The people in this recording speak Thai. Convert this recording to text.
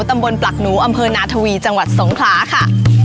ตำบลปลักหนูอำเภอนาทวีจังหวัดสงขลาค่ะ